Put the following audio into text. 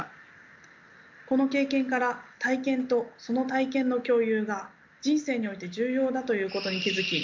この経験から体験とその体験の共有が人生において重要だということに気付き